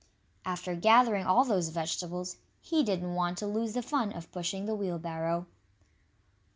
After gathering all those vegetables, he didn't want to lose the fun of pushing the wheelbarrow.